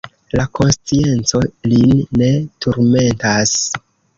La konscienco lin ne turmentas.